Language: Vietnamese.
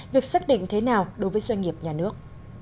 việc xác định thế nào đối với doanh nghiệp nhà nước